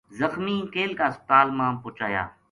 زخمی کیل کا ہسپتال ما پوہچایا